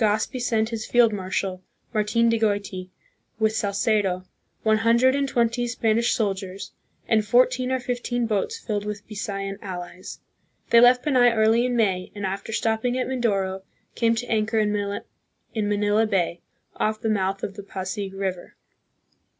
pose Legazpi sent his field marshal, Martin de Goiti, with Salcedo, one hundred and twenty Spanish soldiers, and fourteen or fifteen boats filled with Bisayan allies. They left Panay early in May, and, after stopping at Mindoro, came to anchor in Manila Bay, off the mouth of the Pasig River.